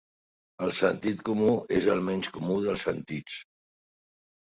El sentit comú és el menys comú dels sentits.